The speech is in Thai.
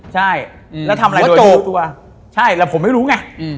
ใช่แล้วทำอะไรก็เจอตัวใช่แล้วผมไม่รู้ไง